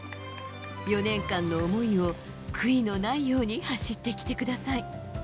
４年間の思いを悔いのないように走ってきてください。